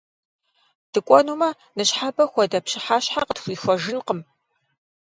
ДыкӀуэнумэ, ныщхьэбэ хуэдэ пщыхьэщхьэ къытхуихуэжынкъым!